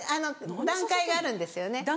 段階があるんですよね